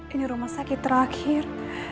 ini rumah sakit terakhir